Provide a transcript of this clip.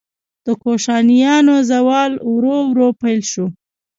د کوشانیانو زوال ورو ورو پیل شو